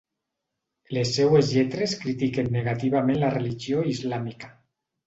Les seues lletres critiquen negativament la religió islàmica.